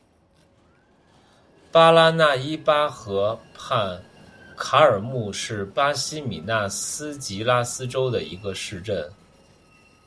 巴拉那伊巴河畔卡尔穆是巴西米纳斯吉拉斯州的一个市镇。